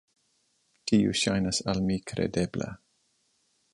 Tio ŝajnas al mi kredebla.